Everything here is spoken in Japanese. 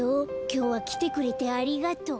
きょうはきてくれてありがとう。